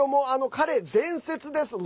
彼、伝説です。